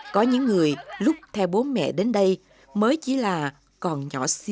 có những người lúc theo bố mẹ đến đây mới chỉ là còn nhỏ xí